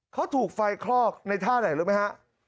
เขาถูกไฟคลอกในท่าไหนรู้ไหมฮะ